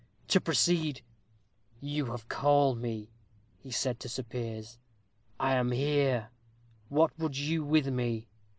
To proceed. 'You have called me,' said he to Sir Piers; 'I am here. What would you with me?'